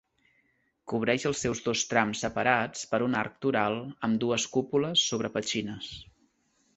Cobreix els seus dos trams separats per un arc toral amb dues cúpules sobre petxines.